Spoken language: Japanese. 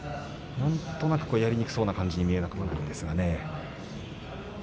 なんとなくやりにくそうな感じに見えなくもないんですがね。